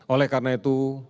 oleh karena itu